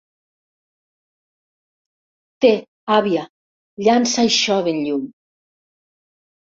Té, àvia, llança això ben lluny.